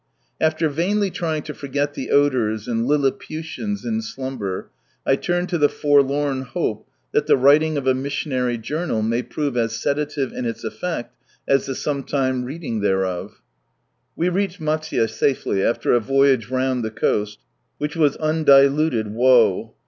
After vainly trying to forget the odours, and lihputians, in slumber, I turn to the forlorn hope that the writing of a " missionary journal " may prove as sedative in its effect, as the some time reading thereof We reached Matsuye safely, after a voyage round the coast which was Un I 56 From Sunrise Land diluted woe.